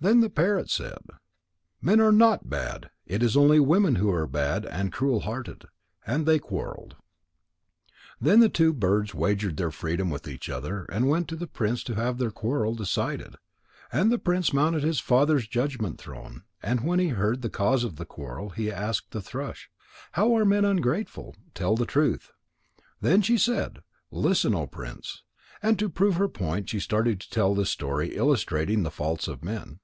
Then the parrot said: "Men are not bad. It is only women who are bad and cruel hearted." And they quarrelled. Then the two birds wagered their freedom with each other and went to the prince to have their quarrel decided. And the prince mounted his father's judgment throne, and when he had heard the cause of the quarrel, he asked the thrush: "How are men ungrateful? Tell the truth." Then she said, "Listen, O Prince," and to prove her point she started to tell this story illustrating the faults of men.